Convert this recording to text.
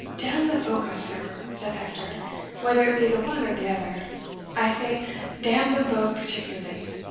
"D n the phoca, sir," said Hector, "whether it be the one or the other I say d n them both particularly!